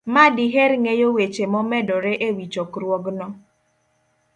ma diher ng'eyo weche momedore e wi chokruogno.